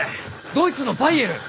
ドイツのバイエルン！？